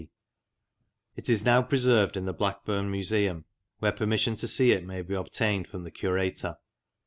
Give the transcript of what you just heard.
D. It is now preserved in the Blackburn Museum, where permission to see it may be obtained from the Curator.